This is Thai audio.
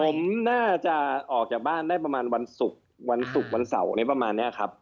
ผมน่าจะออกจากบ้านได้ประมาณวันศุกร์วันเสาร์ประมาณเนี่ยครับ